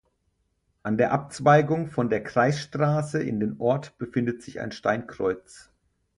An der Abzweigung von der Kreisstraße in den Ort befindet sich ein Steinkreuz.